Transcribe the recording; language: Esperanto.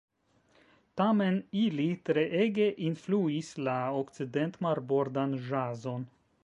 Tamen ili treege influis la okcident-marbordan ĵazon.